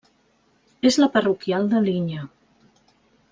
És la parroquial de Linya.